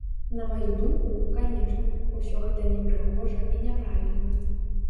На маю думку, канешне, усё гэта непрыгожа і няправільна.